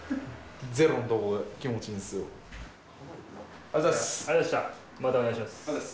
ありがとうございます。